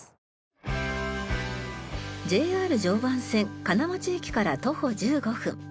ＪＲ常磐線金町駅から徒歩１５分。